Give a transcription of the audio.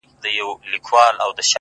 o د مرور روح د پخلا وجود کانې دي ته،